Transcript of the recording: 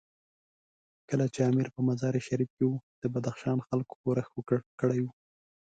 کله چې امیر په مزار شریف کې وو، د بدخشان خلکو ښورښ کړی وو.